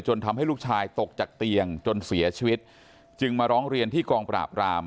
ทำให้ลูกชายตกจากเตียงจนเสียชีวิตจึงมาร้องเรียนที่กองปราบราม